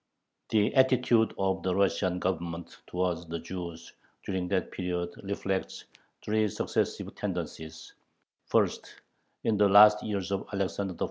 The attitude of the Russian Government towards the Jews during that period reflects three successive tendencies: first, in the last years of Alexander I.'